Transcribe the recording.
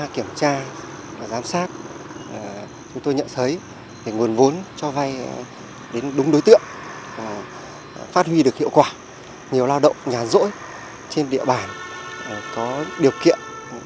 khi được hiệu quả nhiều lao động nhà rỗi trên địa bàn có điều kiện